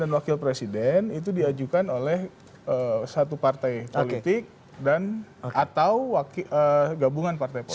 dan wakil presiden itu diajukan oleh satu partai politik dan atau gabungan partai politik